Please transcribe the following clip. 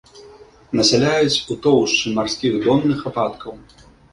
Насяляюць у тоўшчы марскіх донных ападкаў.